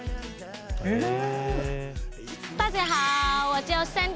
へえ。